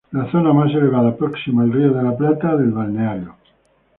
La zona más elevada próxima al Río de la Plata del balneario.